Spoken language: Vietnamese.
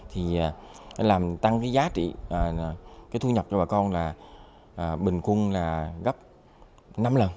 thì làm tăng cái giá trị cái thu nhập cho bà con là bình cung là gấp năm lần